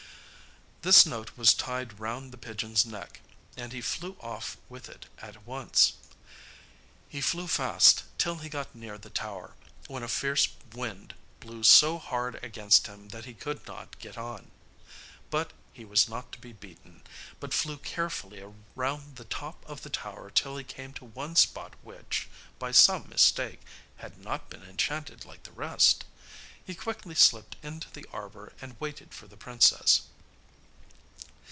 This note was tied round the pigeon's neck, and he flew off with it at once. He flew fast till he got near the tower, when a fierce wind blew so hard against him that he could not get on. But he was not to be beaten, but flew carefully round the top of the tower till he came to one spot which, by some mistake, had not been enchanted like the rest. He quickly slipped into the arbour and waited for the princess.